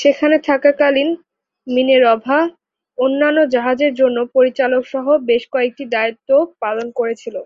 সেখানে থাকাকালীন, "মিনেরভা" অন্যান্য জাহাজের জন্য পরিচারকসহ বেশ কয়েকটি দায়িত্ব পালন করেছিল।